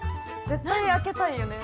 絶対開けたいよね。